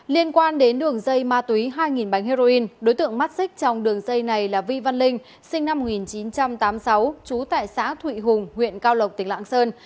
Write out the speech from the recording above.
liên quan đến đường dây ma túy hai bánh heroin đối tượng mắt xích trong đường dây này là vi văn linh sinh năm một nghìn chín trăm tám mươi sáu trú tại xã thụy hùng huyện cao lộc tỉnh lạng sơn